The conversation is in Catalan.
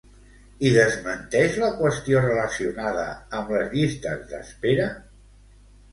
I desmenteix la qüestió relacionada amb les llistes d'espera?